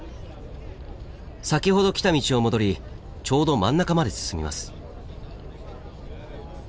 先ほど来た道を戻りちょうど真ん中まで進みます。